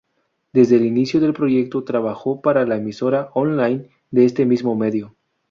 Desde el inicio del proyecto trabajó para la emisora on-line de este mismo medio.